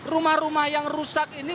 rumah rumah yang rusak ini